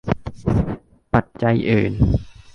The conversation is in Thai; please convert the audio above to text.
ปัจจัยอื่น